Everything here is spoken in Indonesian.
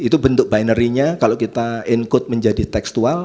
itu bentuk binary nya kalau kita incode menjadi tekstual